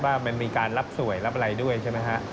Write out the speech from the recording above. ว่ามันมีการรับสวยรับอะไรด้วยใช่ไหมฮะ